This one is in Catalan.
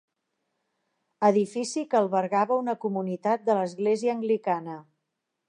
Edifici que albergava una comunitat de l'església anglicana.